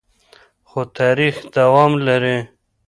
خو تاریخ دوام لري.